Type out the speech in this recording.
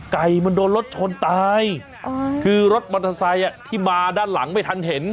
ไก่มันโดนรถชนตายคือรถมอเตอร์ไซค์ที่มาด้านหลังไม่ทันเห็น